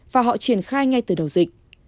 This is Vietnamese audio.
và họ triển khai ngay từ đầu dịch